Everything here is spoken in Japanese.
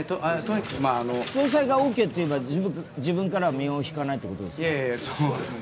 総裁がオーケーといえば自分からは身を引かないということですか？